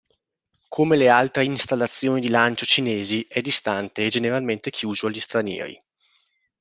Come le altre installazioni di lancio cinesi, è distante e generalmente chiuso agli stranieri.